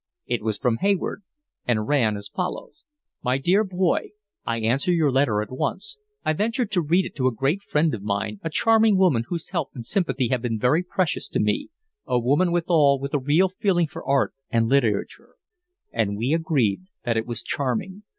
It was from Hayward and ran as follows: My dear boy, I answer your letter at once. I ventured to read it to a great friend of mine, a charming woman whose help and sympathy have been very precious to me, a woman withal with a real feeling for art and literature; and we agreed that it was charming.